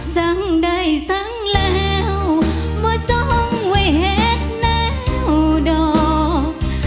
สังใดสังแล้วมาจ้องไว้เห็นแนวดอก